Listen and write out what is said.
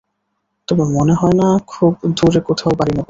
তবে মনে হয় না খুব দূরে কোথাও বাড়ি নেবো।